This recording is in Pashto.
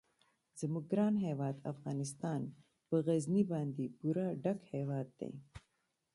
زموږ ګران هیواد افغانستان په غزني باندې پوره ډک هیواد دی.